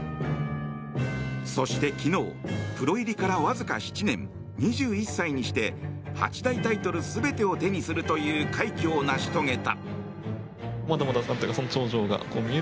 そして昨日プロ入りからわずか７年２１歳にして八大タイトル全てを手にするという快挙を成し遂げた。